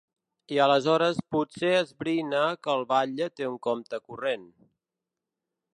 I aleshores ‘potser esbrina que el batlle té un compte corrent’.